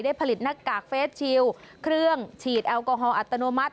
ผลิตหน้ากากเฟสชิลเครื่องฉีดแอลกอฮอลอัตโนมัติ